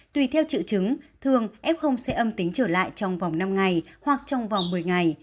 tùy theo triệu chứng thường f sẽ âm tính trở lại trong vòng năm ngày hoặc trong vòng một mươi ngày